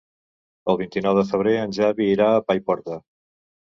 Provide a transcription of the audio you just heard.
El vint-i-nou de febrer en Xavi irà a Paiporta.